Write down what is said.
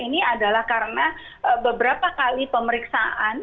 ini adalah karena beberapa kali pemeriksaan